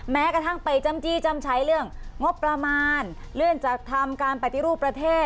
แม้กระทั่งไปจำจี้จำใช้เรื่องงบประมาณเลื่อนจัดทำการปฏิรูปประเทศ